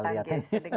tinggal bulu tangkis